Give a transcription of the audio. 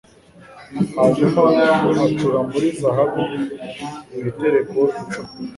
hanyuma acura muri zahabu ibitereko icumi